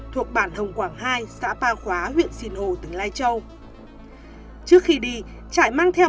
thuộc bản hồng quảng hai xã ba khóa huyện sinh hồ tỉnh lai châu trước khi đi trải mang theo